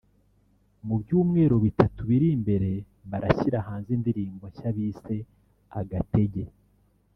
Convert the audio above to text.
Mu byumweru bitatu biri imbere barashyira hanze indirimbo nshya bise “Agatege”